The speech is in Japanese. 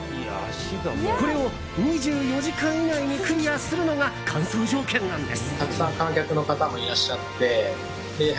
これを２４時間以内にクリアするのが完走条件なんです。